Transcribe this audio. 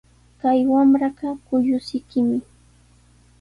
Kay wamraqa kullusikimi.